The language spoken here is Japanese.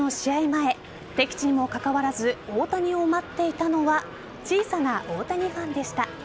前敵地にもかかわらず大谷を待っていたのは小さな大谷ファンでした。